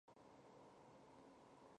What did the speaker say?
庙方还拥有林口新市镇多笔土地。